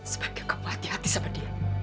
sebaiknya kamu hati hati sama dia